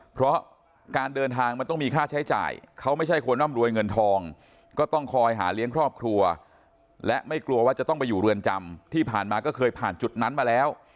เพราะการเดินทางมันต้องมีค่าใช้จ่ายเขาไม่ใช่คนร่ำรวยเงินทองก็ต้องคอยหาเลี้ยงครอบครัวและไม่กลัวว่าจะต้องไปอยู่เรือนจำที่ผ่านมาก็เคยผ่านจุดนั้นมาแล้ว